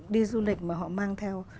đi du lịch mà họ mang theo